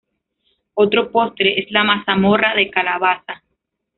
Otro postre es la mazamorra de calabaza.